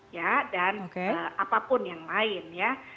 ya dan apapun yang lain ya